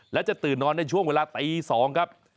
และจะตื่นนอนในช่วงเวลาตี๒ครับ